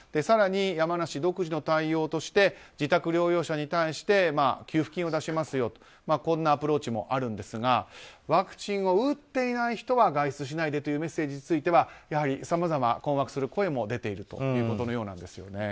更に山梨独自の対応として自宅療養者に対して給付金を出しますよとこんなアプローチもあるんですがワクチンを打っていない人は外出しないでというメッセージについてはやはりさまざま困惑する声も出ているということです。